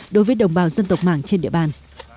đối với đồng bào dân tộc mảng trên địa bàn